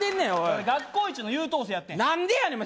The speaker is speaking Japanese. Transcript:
俺学校一の優等生やってん何でやねん